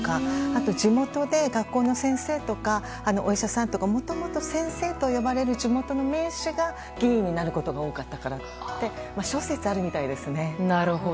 あと地元で学校の先生とかお医者さんとかもともと「先生」と呼ばれる地元の名士が議員になることが多かったからって諸説あるみたいですね。